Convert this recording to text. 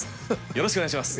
よろしくお願いします。